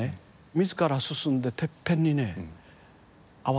自ら進んでてっぺんにね合わせていく。